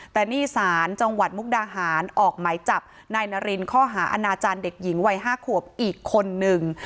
แต่นี่ศาลจังหวัดมุกดาหารออกหมายจับนายนารินข้อหาอาณาจารย์เด็กหญิงวัย๕ขวบอีกคนนึง